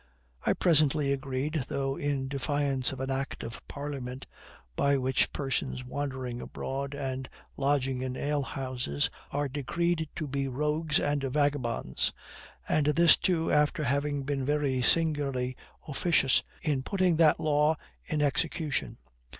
I presently agreed, though in defiance of an act of parliament, by which persons wandering abroad and lodging in ale houses are decreed to be rogues and vagabonds; and this too after having been very singularly officious in putting that law in execution.